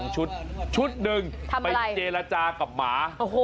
ชุดหนึ่งไปเจรจากับหมา